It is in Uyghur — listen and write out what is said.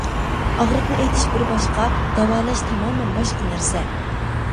ئاغرىقنى ئېيتىش بىر باشقا، داۋالاش تامامەن باشقا نەرسە.